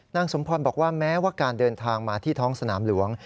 สมพรบอกว่าแม้ว่าการเดินทางมาที่ท้องสนามหลวง